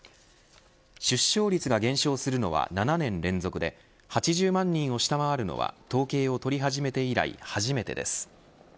出生率が減少するのは７年連続で８０万人を下回るのは、統計を取り始めて以来初めてです。